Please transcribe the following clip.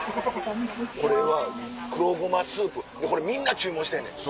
これは黒ゴマスープこれみんな注文してんねん。